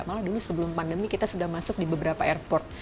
malah dulu sebelum pandemi kita sudah masuk di beberapa airport